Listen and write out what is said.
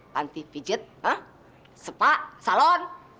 tanti pijet sepak salon